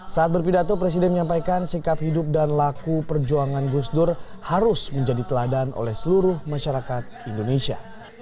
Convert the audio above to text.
saat berpidato presiden menyampaikan sikap hidup dan laku perjuangan gus dur harus menjadi teladan oleh seluruh masyarakat indonesia